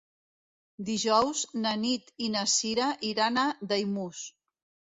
Dijous na Nit i na Sira iran a Daimús.